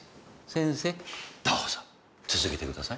先生どうぞ続けてください。